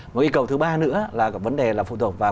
một yêu cầu thứ ba nữa là vấn đề là phụ thuộc vào